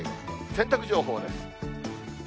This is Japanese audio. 洗濯情報です。